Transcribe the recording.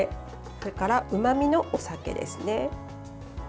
それから、うまみのお酒ですね。